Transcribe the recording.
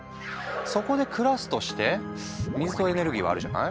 そこで暮らすとして水とエネルギーはあるじゃない。